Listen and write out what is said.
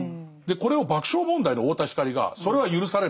これを爆笑問題の太田光がそれは許されない。